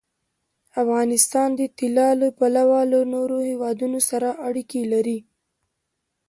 افغانستان د طلا له پلوه له نورو هېوادونو سره اړیکې لري.